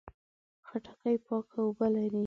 خټکی پاکه اوبه لري.